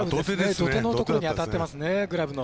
土手のところに当たってますねグラブの。